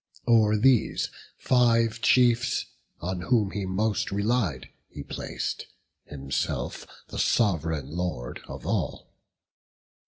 O'er these five chiefs, on whom he most relied, He plac'd, himself the Sov'reign Lord of all.